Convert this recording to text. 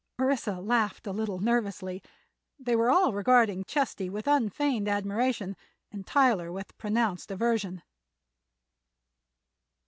Orissa laughed, a little nervously. They were all regarding Chesty with unfeigned admiration and Tyler with pronounced aversion.